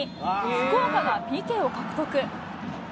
福岡がＰＫを獲得。